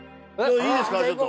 いいですかちょっと。